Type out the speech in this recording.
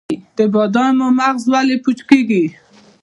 د بادامو مغز ولې پوچ کیږي؟